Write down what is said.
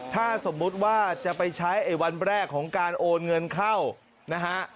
ถ้าสมมุติว่าจะไปใช้ไอ้วันแรกของการโอนเงินเข้านะฮะ